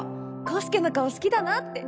康介の顔好きだなって。